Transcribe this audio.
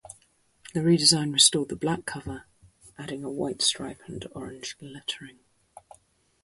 The redesign restored the black cover, adding a white stripe and orange lettering.